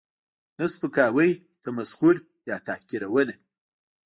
، نه سپکاوی، تمسخر یا تحقیرونه